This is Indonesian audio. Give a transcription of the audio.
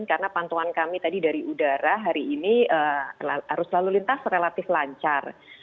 karena pantauan kami tadi dari udara hari ini harus lalu lintas relatif lancar